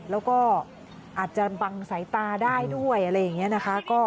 แล้วก็อาจจะบังสายตาได้ด้วยอะไรอย่างนี้นะคะ